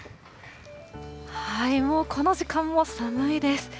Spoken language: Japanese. もうこの時間も寒いです。